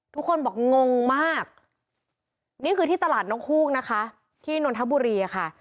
ทุกคนบอกงงมากนี่คือที่ตลาดนกฮูกนะคะที่นนทบุรีอะค่ะ